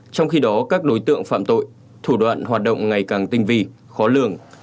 trong khi đó các đối tượng phạm tội thủ đoạn hoạt động ngày càng tinh vi khó lường